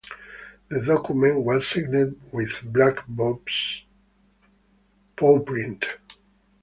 The document was "signed" with Black Bob's pawprint.